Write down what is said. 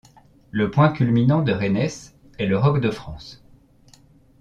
Le point culminant de Reynès est le Roc de France.